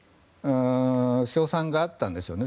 勝算があったんですよね。